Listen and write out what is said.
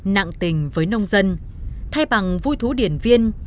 nặng tình với nông dân thay bằng vui thú điển viên